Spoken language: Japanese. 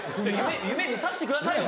夢見させてくださいよ